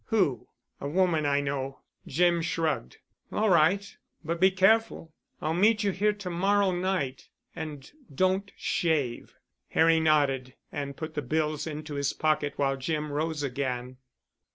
"Who?" "A woman I know." Jim shrugged. "All right. But be careful. I'll meet you here to morrow night. And don't shave." Harry nodded and put the bills into his pocket while Jim rose again.